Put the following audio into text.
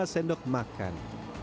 lima sendok makan